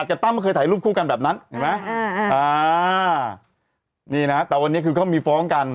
แต่ตั้มก็เคยถ่ายรูปคู่กันแบบนั้นเห็นไหมนี่นะแต่วันนี้คือเขามีฟ้องกัน